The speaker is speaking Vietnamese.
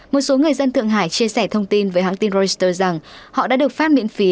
một số người dân thượng hải chia sẻ thông tin với hãng tin reuters rằng họ đã được phát miễn phí